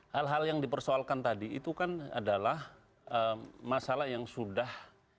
hal hal yang dipersoalkan tadi itu kan adalah masalah yang sudah